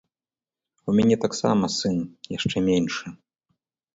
У мяне таксама сын, яшчэ меншы.